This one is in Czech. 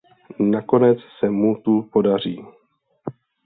Nakonec se mu tu podaří.